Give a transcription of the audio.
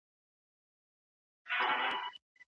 د هورمون کموالی د میندو خپګان زیاتوي.